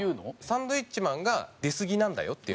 サンドウィッチマンが出すぎなんだよって。